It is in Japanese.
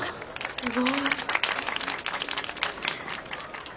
すごい。